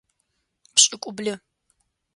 Пшӏыкӏублы.